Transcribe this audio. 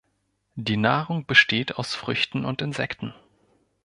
Die Nahrung besteht aus Früchten und Insekten.